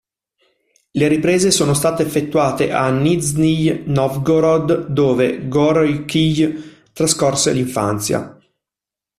Le riprese sono state effettuate a Nižnij Novgorod, dove Gorj'kij trascorse l'infanzia.